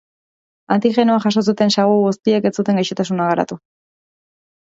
Antigenoa jaso zuten sagu guztiek ez zuten gaixotasuna garatu.